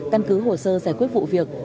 căn cứ hồ sơ giải quyết vụ việc